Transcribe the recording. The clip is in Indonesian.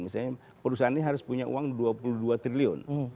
misalnya perusahaan ini harus punya uang dua puluh dua triliun